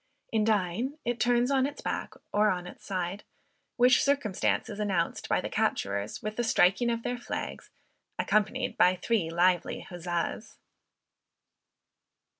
In dying, it turns on its back or on its side; which circumstance is announced by the capturers with the striking of their flags, accompanied with three lively huzzas!